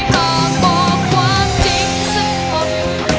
ฝากบอกความจริงสักคน